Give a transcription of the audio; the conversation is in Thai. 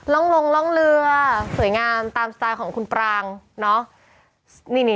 ล่องลงเหลือสวยงามตามสไตล์ของคุณปางเนอะ